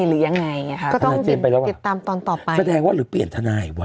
หรือยังไงเก็บตามตอนต่อไปแสดงว่าหรือเปลี่ยนทนายว้